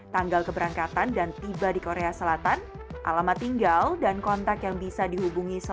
tanggal keberangkatan dan tiba di korea selatan alamat tinggal dan kontak yang bisa dihubungi